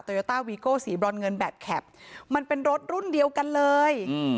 โยต้าวีโก้สีบรอนเงินแบบแคปมันเป็นรถรุ่นเดียวกันเลยอืม